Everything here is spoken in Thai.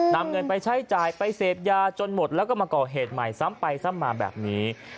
นำเงินไปใช้จ่ายไปเสพยาจนหมดแล้วก็มาก่อเหตุใหม่ซ้ำไปซ้ำมาแบบนี้